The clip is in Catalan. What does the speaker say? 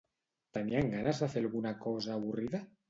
Tenien ganes de fer alguna cosa avorrida?